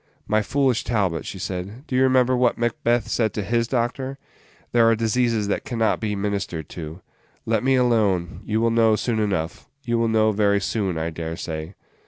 "My foolish Talbot," she said, "do you remember what Macbeth said to his doctor? There are diseases that can not be ministered to. Let me alone; you will know soon enough you will know very soon, I dare say."